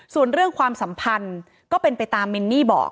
ส่วนเรื่องความสัมพันธ์ก็เป็นไปตามมินนี่บอก